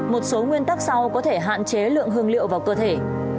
một số nguyên tắc sau có thể hạn chế lượng hương liệu vào cơ thể